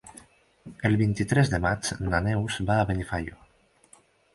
El vint-i-tres de maig na Neus va a Benifaió.